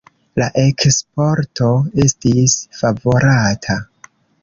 La eksporto estis favorata.